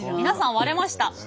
皆さん割れました。